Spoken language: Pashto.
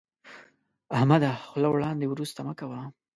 احمده، خوله وړاندې ورسته مه کوه.